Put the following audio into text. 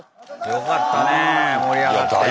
よかったね盛り上がって。